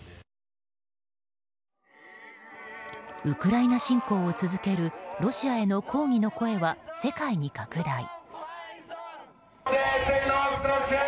ウクライナ侵攻を続けるロシアへの抗議の声は世界に拡大。